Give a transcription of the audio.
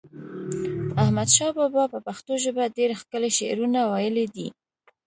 احمد شاه بابا په پښتو ژپه ډیر ښکلی شعرونه وایلی دی